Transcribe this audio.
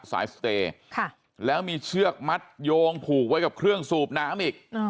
สายสเตย์แล้วมีเชือกมัดโยงผูกไว้กับเครื่องสูบน้ำอีก